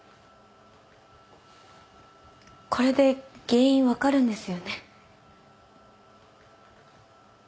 これで原因分かるんですよね？